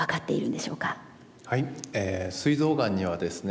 すい臓がんにはですね